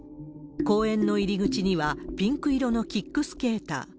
公園の入り口にはピンク色のキックスケーター。